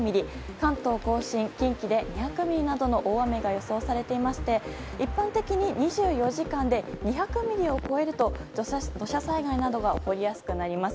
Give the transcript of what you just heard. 関東・甲信近畿で２００ミリなどの大雨が予想されていまして一般的に、２４時間で２００ミリを超えると土砂災害などが起こりやすくなります。